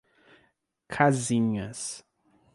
Casinhas